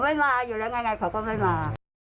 ไม่มาอยู่แล้วไงเขาก็ไม่มา